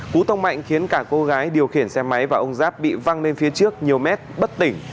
cú tông mạnh khiến cả cô gái điều khiển xe máy và ông giáp bị văng lên phía trước nhiều mét bất tỉnh